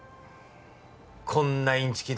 こんなインチキ